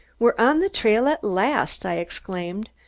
We're on the trail at last!" I exclaimed.